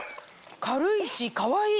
軽いしかわいい。